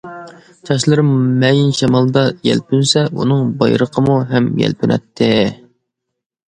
چاچلىرىم مەيىن شامالدا يەلپۈنسە، ئۇنىڭ بايرىقىمۇ ھەم يەلپۈنەتتى.